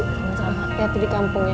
kalau hati hati di kampung ya